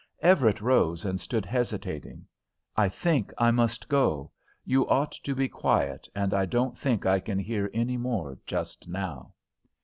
Everett rose and stood hesitating. "I think I must go. You ought to be quiet, and I don't think I can hear any more just now."